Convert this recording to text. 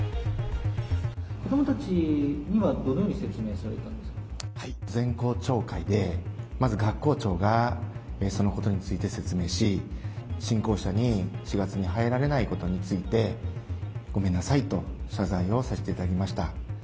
子どもたちにはどのように説全校朝会で、まず学校長がそのことについて説明し、新校舎に４月に入られないことについて、ごめんなさいと謝罪をさ